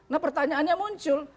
nah pertanyaannya muncul